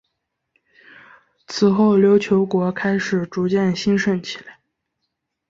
此后琉球国开始逐渐兴盛起来。